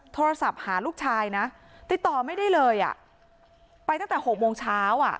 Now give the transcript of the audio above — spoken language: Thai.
โทรศัพท์หาลูกชายนะติดต่อไม่ได้เลยอ่ะไปตั้งแต่๖โมงเช้าอ่ะ